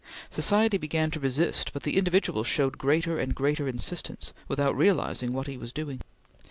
Society began to resist, but the individual showed greater and greater insistence, without realizing what he was doing.